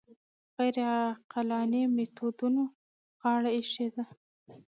غیر عقلاني میتودونو غاړه ایښې ده